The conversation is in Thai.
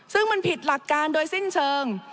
ซึ่งมันผิดหลักการโดยสิ้นเชิง